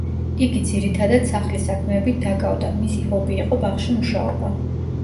იგი ძირითადად სახლის საქმეებით დაკავდა, მისი ჰობი იყო ბაღში მუშაობა.